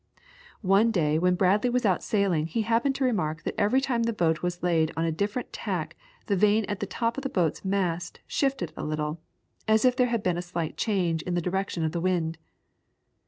One day when Bradley was out sailing he happened to remark that every time the boat was laid on a different tack the vane at the top of the boat's mast shifted a little, as if there had been a slight change in the direction of the wind.